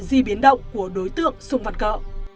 di biến động của đối tượng xung văn cỡ